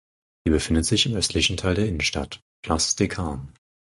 Sie befindet sich im östlichen Teil der Innenstadt ("Place des Carmes").